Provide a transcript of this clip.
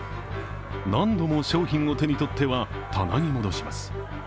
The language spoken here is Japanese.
何度も商品を手にとっては、棚に戻します。